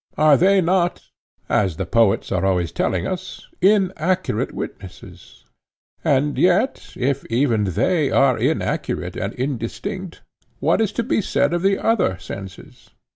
Are they not, as the poets are always telling us, inaccurate witnesses? and yet, if even they are inaccurate and indistinct, what is to be said of the other senses?